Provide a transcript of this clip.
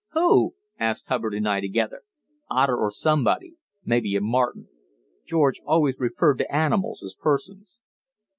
"Who?" asked Hubbard and I together. "Otter or somebody maybe a marten." (George always referred to animals as persons.)